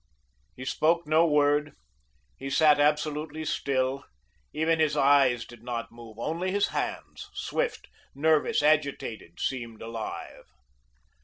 He spoke no word, he sat absolutely still, even his eyes did not move, only his hands, swift, nervous, agitated, seemed alive.